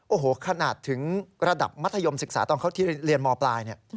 โอ้โหขนาดถึงระดับมัธยมศึกษาตอนเขาที่เรียนมปลายเนี่ย